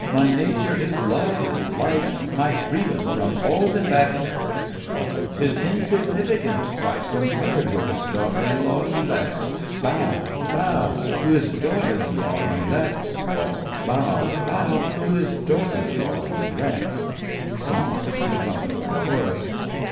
My nature is love and light— My freedom from all defect— KAT. Is insignificant quite, Compared with his daughter in law elect! Bow—Bow— To his daughter in law elect! ALL. Bow—Bow— To his daughter in law elect! SONG—MIKADO and CHORUS.